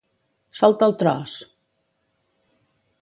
Solta el tros!